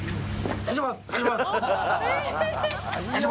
失礼します。